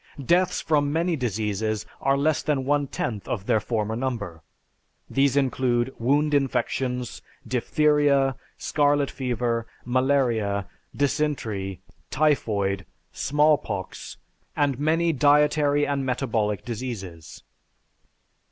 Deaths from many diseases are less than one tenth of their former number. These include wound infections, diphtheria, scarlet fever, malaria, dysentery, typhoid, small pox, and many dietary and metabolic diseases.